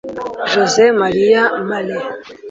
José Maria Marin